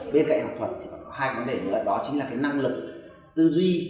bên cạnh học thuật thì có hai vấn đề nữa đó chính là cái năng lực tư duy